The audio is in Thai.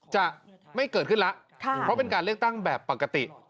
จะไม่เกิดขึ้นแล้วเพราะเป็นการเลือกตั้งแบบปกติ